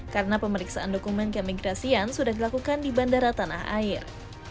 karena pemeriksaan dokumen kemigrasian sudah dilakukan di bandara tanah air